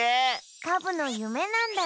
カブのゆめなんだね。